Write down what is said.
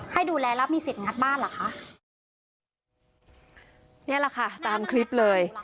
ให้ดูแลแล้วมีสิทธิงัดบ้านเหรอคะนี่แหละค่ะตามคลิปเลย